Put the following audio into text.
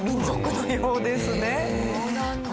そうなんだ。